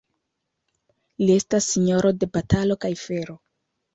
Li estas sinjoro de batalo kaj fero.